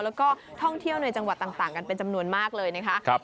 แล้วก็ท่องเที่ยวในจังหวัดต่างกันเป็นจำนวนมากเลยนะคะ